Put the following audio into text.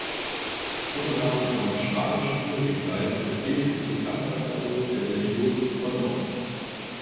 Thoma nahm am Spanischen Bürgerkrieg teil und befehligte die Panzerabteilung der Legion Condor.